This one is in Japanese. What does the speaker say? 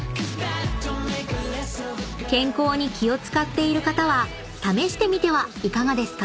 ［健康に気を使っている方は試してみてはいかがですか？］